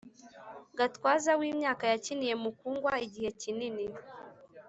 gatwaza w’imyaka yakiniye mukugwa igihe kinini